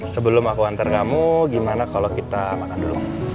sebelum aku hantar kamu gimana kalo kita makan dulu